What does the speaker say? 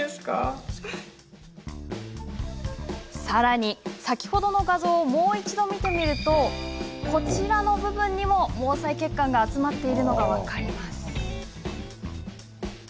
さらに、先ほどの画像をもう一度見てみるとこちらの部分にも、毛細血管が集まっているのが分かります。